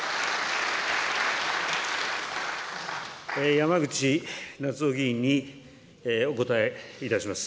山口那津男議員にお答えいたします。